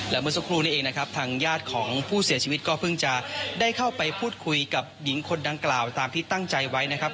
และเมื่อสักครู่นี้เองนะครับทางญาติของผู้เสียชีวิตก็เพิ่งจะได้เข้าไปพูดคุยกับหญิงคนดังกล่าวตามที่ตั้งใจไว้นะครับ